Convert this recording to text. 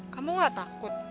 kamu gak takut